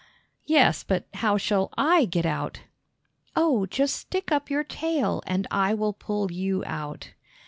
"Yes, but how shall I get out?" "Oh, just stick up your tail, and I will pull you out!"